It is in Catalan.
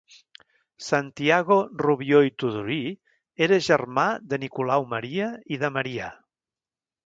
Santiago Rubió i Tudurí era germà de Nicolau Maria i de Marià.